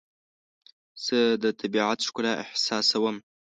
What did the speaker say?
زه د طبیعت ښکلا احساسوم.